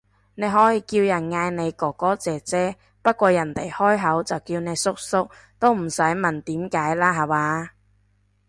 你可以叫人嗌你哥哥姐姐，不過人哋開口就叫你叔叔，都唔使問點解啦下話